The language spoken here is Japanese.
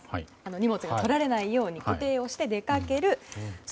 荷物がとられないように固定をして出かけますね。